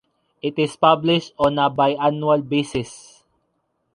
It is published on a biannual basis.